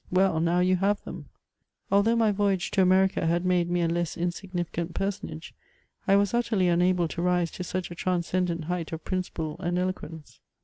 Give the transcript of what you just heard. *— Well, now you have them 1" Although my voyage to America had made me a less insignificant personage, I was utterly unable to rise to such a transcendent height of principle and doquence.